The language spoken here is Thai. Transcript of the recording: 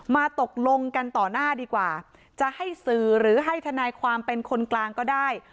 ตกลงกันต่อหน้าดีกว่าจะให้สื่อหรือให้ทนายความเป็นคนกลางก็ได้